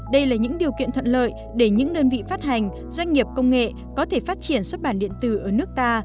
đây là những điều kiện thuận lợi để những đơn vị phát hành doanh nghiệp công nghệ có thể phát triển xuất bản điện tử ở nước ta